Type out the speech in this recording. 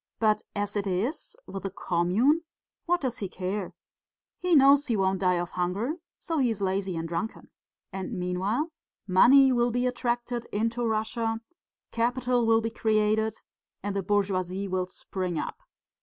But as it is, with the commune, what does he care? He knows he won't die of hunger, so he is lazy and drunken. And meanwhile money will be attracted into Russia, capital will be created and the bourgeoisie will spring up.